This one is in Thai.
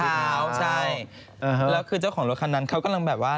แล้วใช่แล้วคือเจ้าของรถคันนั้นเขากำลังแบบว่า